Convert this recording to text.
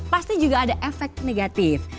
pasti juga ada efek negatif